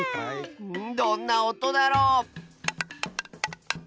どんなおとだろ？